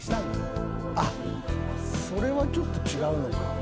それはちょっと違うのか。